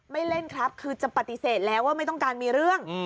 เล่นครับคือจะปฏิเสธแล้วว่าไม่ต้องการมีเรื่อง